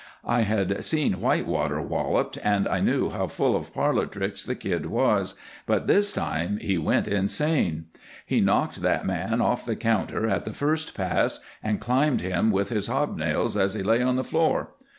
I had seen Whitewater walloped and I knew how full of parlor tricks the kid was, but this time he went insane. He knocked that man off the counter at the first pass and climbed him with his hobnails as he lay on the floor.